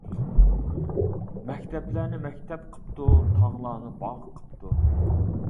مەكتەپلەرنى مەكتەپ قىپتۇ، تاغلارنى باغ قىپتۇ.